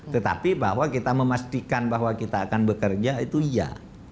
tetapi bahwa kita memastikan bahwa kita akan bekerja itu iya